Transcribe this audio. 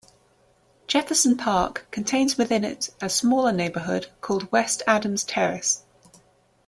Jefferson Park contains within it a smaller neighborhood called West Adams Terrace.